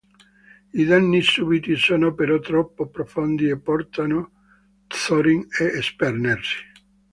I danni subiti sono però troppo profondi e portano Thorin a spegnersi..